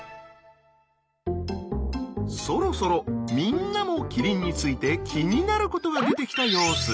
そろそろみんなもキリンについて気になることが出てきた様子。